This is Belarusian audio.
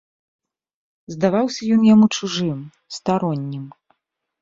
Здаваўся ён яму чужым, староннім.